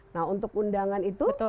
nah untuk undangan itu